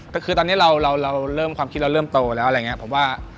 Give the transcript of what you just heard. แต่คือตอนนี้ความคิดเราเริ่มโตแล้วผมว่า